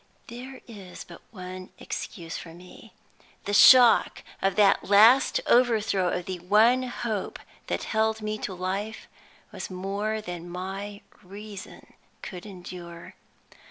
There is but one excuse for me. The shock of that last overthrow of the one hope that held me to life was more than my reason could endure.